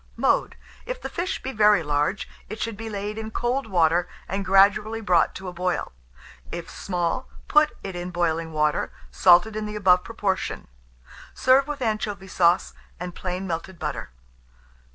Mode. If the fish be very large, it should be laid in cold water, and gradually brought to a boil; if small, put it in boiling water, salted in the above proportion. Serve with anchovy sauce and plain melted butter.